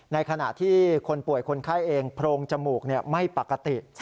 ในขณะที่คนป่วยคนไข้เองโพรงจมูกไม่ปกติ